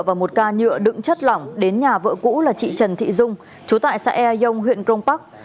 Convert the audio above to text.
và một ca nhựa đựng chất lỏng đến nhà vợ cũ là chị trần thị dung chú tại xã e yông huyện grong park